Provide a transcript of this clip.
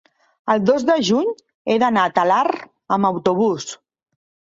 el dos de juny he d'anar a Talarn amb autobús.